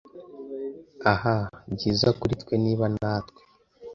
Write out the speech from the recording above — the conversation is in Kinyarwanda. Ah! byiza kuri twe, niba natwe,